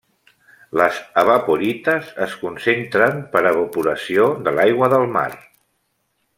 Les evaporites es concentren per evaporació de l'aigua del mar.